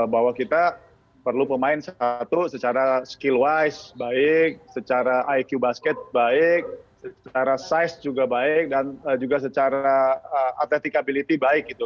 bahwa kita perlu pemain satu secara skill wise baik secara iq basket baik secara size juga baik dan juga secara atetikability baik gitu